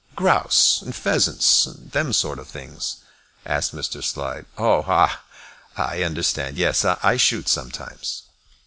"Grouse and pheasants, and them sort of things?" asked Mr. Slide. "Oh, ah; I understand. Yes, I shoot sometimes."